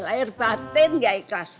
lair batin gak ikhlas